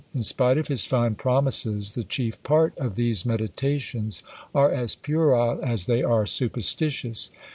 In spite of his fine promises, the chief part of these meditations are as puerile as they are superstitious.